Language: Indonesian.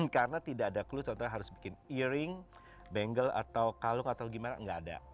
karena tidak ada clue contohnya harus bikin earring bengkel atau kalung atau gimana nggak ada